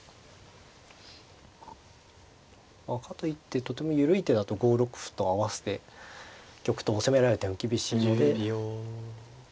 かといってとても緩い手だと５六歩と合わせて玉頭を攻められては厳しいので。